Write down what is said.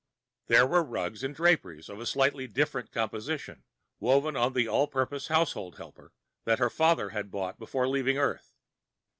There were rugs and draperies of a slightly different composition, woven on the all purpose Household Helper that her father had bought before leaving Earth.